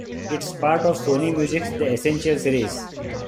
It is part of Sony Music's "The Essential" series.